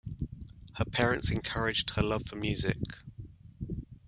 Her parents encouraged her love for music.